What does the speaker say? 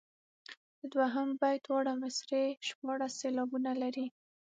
د دوهم بیت دواړه مصرعې شپاړس سېلابونه لري.